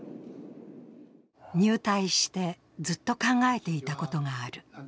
入隊して、ずっと考えていたことがある。